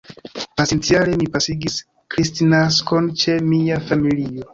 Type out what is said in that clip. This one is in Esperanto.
Pasintjare mi pasigis Kristnaskon ĉe mia familio.